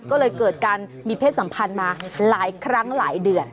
ก็เลยเกิดการมีเพศสัมพันธ์มาหลายครั้งหลายเดือน